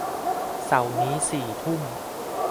เสาร์นี้สี่ทุ่ม